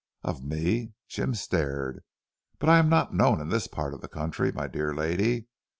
"Of me," Jim stared, "but I am not known in this part of the country my dear lady.